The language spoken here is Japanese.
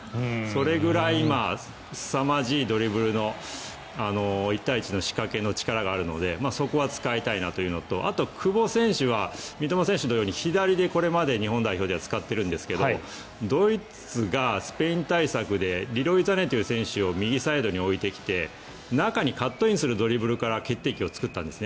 それぐらいすさまじいドリブルの１対１の仕掛けの力があるのでそこは使いたいなというのとあとは久保選手は三笘選手のように左でこれまで日本代表では使っているんですがスペイン対策である選手を右サイドにおいてきて中にカットインするドリブルから決定機を作ったんです。